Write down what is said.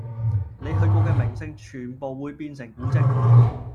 你去過嘅名勝全部會變成古蹟